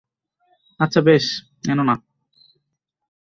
আচ্ছা বেশ, এনো না।